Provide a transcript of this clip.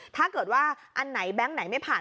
ถ้าเกิดว่าอันไหนแบงค์ไหนไม่ผ่าน